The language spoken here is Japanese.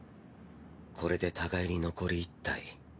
これで互いに残り１体。